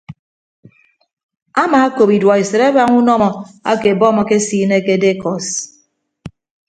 Amaakop iduọesịt abaña unọmọ ake bọmb ekesiine ke dekọs.